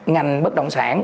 ngành bất động sản